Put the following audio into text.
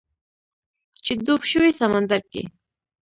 چې ډوب شوی سمندر کې